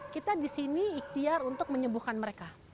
kita di sini ikhtiar untuk menyembuhkan mereka